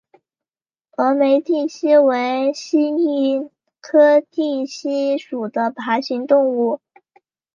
峨眉地蜥为蜥蜴科地蜥属的爬行动物。